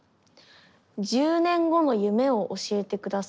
「１０年後の夢を教えてください。